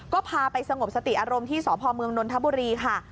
ก็พาไปสงบสติอารมณ์ที่สพเมืองนนทบุรีค่ะ